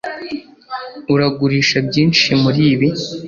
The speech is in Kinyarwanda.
Uragurisha byinshi muribi